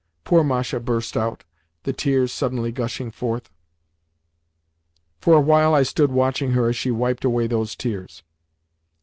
poor Masha burst out, the tears suddenly gushing forth. For a while I stood watching her as she wiped away those tears.